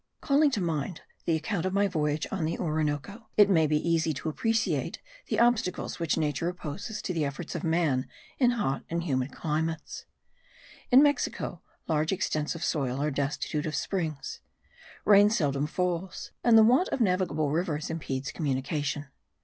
Calling to mind the account of my voyage on the Orinoco, it may be easy to appreciate the obstacles which nature opposes to the efforts of man in hot and humid climates. In Mexico, large extents of soil are destitute of springs; rain seldom falls, and the want of navigable rivers impedes communication.